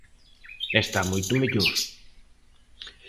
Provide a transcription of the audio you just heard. E está moito mellor.